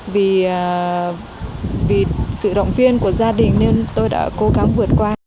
vì sự động viên của gia đình nên tôi đã cố gắng vượt qua